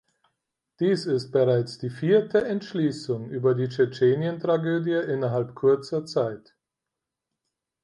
Dies ist bereits die vierte Entschließung über die Tschetschenien-Tragödie innerhalb kurzer Zeit.